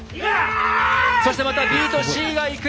そしてまたＢとＣがいく！